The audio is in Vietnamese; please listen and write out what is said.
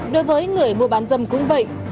đối với người mua bán dâm cũng vậy